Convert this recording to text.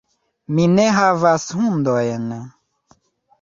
Mi ne havas hundojn.